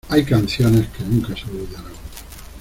Hay canciones que nunca se olvidarán.